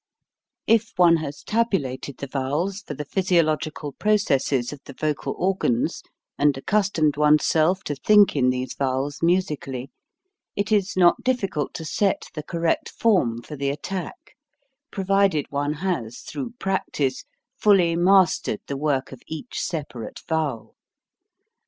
If one has tabulated the vowels for the 72 HOW TO SING physiological processes of the vocal organs and accustomed oneself to think in these vowels musically, it is not difficult to set the correct form for the attack, provided one has through practice fully mastered the work of each separate vowel.